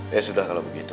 ya sudah kalau begitu